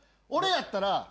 俺やったら。